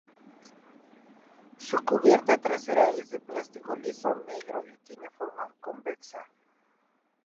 Su cubierta trasera es de plástico liso negro y tiene forma convexa.